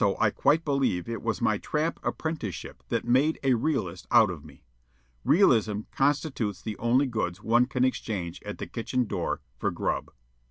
Also, I quite believe it was my tramp apprenticeship that made a realist out of me. Realism constitutes the only goods one can exchange at the kitchen door for grub.